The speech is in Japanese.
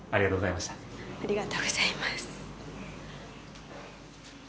ありがとうございます。